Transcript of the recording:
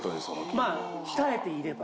まあ鍛えていれば。